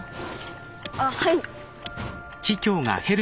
あっはい。